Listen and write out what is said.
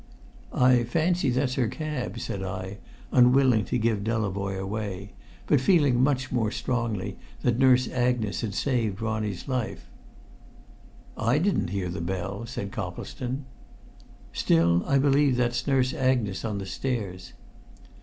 "I fancy that's her cab," said I, unwilling to give Delavoye away, but feeling much more strongly that Nurse Agnes had saved Ronnie's life. "I didn't hear the bell," said Coplestone. "Still, I believe that's Nurse Agnes on the stairs."